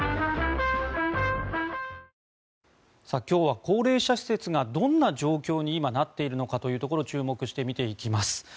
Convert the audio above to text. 今日は高齢者施設がどんな状況に今、なっているのかに注目して見ていきます。